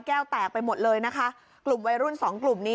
แตกไปหมดเลยนะคะกลุ่มวัยรุ่นสองกลุ่มนี้